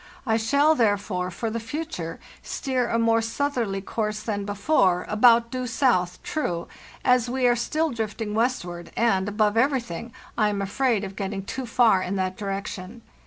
I shall, therefore, for the future, steer a more southerly course than before, about due south (true), as we are still drifting westward, and, above everything, I am afraid of getting too far in that direction.